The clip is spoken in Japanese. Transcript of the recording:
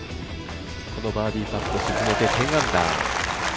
このバーディーパット沈めて１０アンダー。